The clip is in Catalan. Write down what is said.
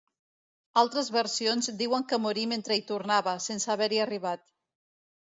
Altres versions diuen que morí mentre hi tornava, sense haver-hi arribat.